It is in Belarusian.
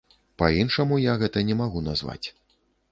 Па-іншаму я гэта не магу назваць.